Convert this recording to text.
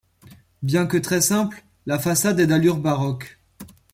Bien que très simple, la façade est d’allure baroque.